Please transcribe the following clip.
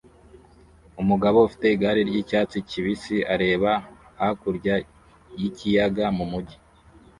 Umugabo ufite igare ryicyatsi kibisi areba hakurya yikiyaga mumujyi